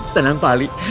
tenang pak ali